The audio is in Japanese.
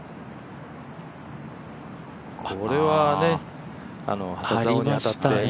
これはね。